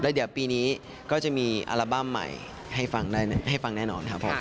แล้วเดี๋ยวปีนี้ก็จะมีอัลบั้มใหม่ให้ฟังได้ให้ฟังแน่นอนครับผม